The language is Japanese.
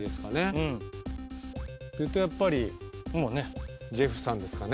うんっていうとやっぱりもうねジェフさんですかね